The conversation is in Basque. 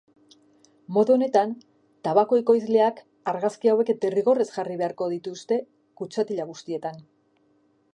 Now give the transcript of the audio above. Modu honetan, tabako ekoizleak argazki hauek derrigorrez jarri behrako dituzte kutxatila guztietan.